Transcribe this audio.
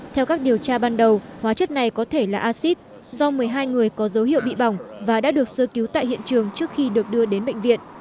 theo các điều tra ban đầu hóa chất này có thể là acid do một mươi hai người có dấu hiệu bị bỏng và đã được sơ cứu tại hiện trường trước khi được đưa đến bệnh viện